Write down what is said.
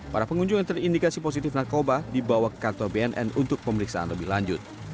para pengunjung yang terindikasi positif narkoba dibawa ke kantor bnn untuk pemeriksaan lebih lanjut